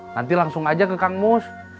nanti langsung aja ke kang mus